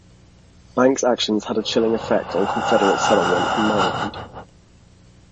Banks's actions had a chilling effect on Confederate sentiment in Maryland.